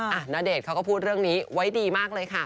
ณเดชน์เขาก็พูดเรื่องนี้ไว้ดีมากเลยค่ะ